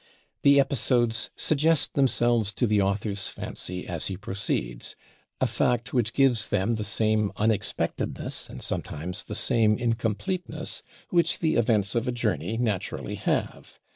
The episodes suggest themselves to the author's fancy as he proceeds; a fact which gives them the same unexpectedness and sometimes the same incompleteness which the events of a journey naturally have.